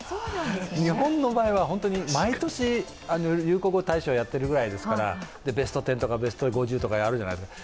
日本の場合は本当に毎年、流行語大賞やってるぐらいですからベスト１０とかベスト５０とかやるじゃないですか。